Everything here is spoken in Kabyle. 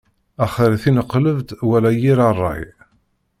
Axir tineqlebt wala yir ṛṛay.